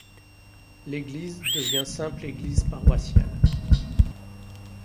L'église devient simple église paroissiale.